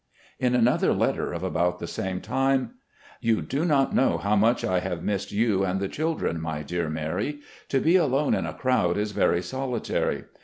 .. In another letter of about the same time : "You do not know how much I have missed you and the children, my dear Mary. To be alone in a crowd is very solitary.